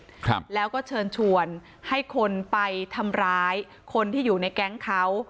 การค้ายาเสพติดครับแล้วก็เชิญชวนให้คนไปทำร้ายคนที่อยู่ในแก๊งเขา